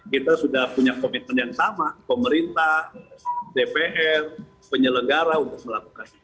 kita sudah punya komitmen yang sama pemerintah dpr penyelenggara untuk melakukan itu